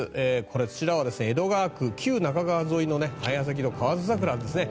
こちらは江戸川区、旧中川沿いの早咲きのカワヅザクラですね。